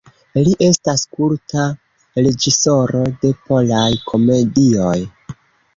Li estas kulta reĝisoro de polaj komedioj.